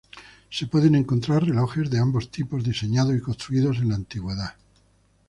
Se pueden encontrar relojes de ambos tipos diseñados y construidos en la antigüedad.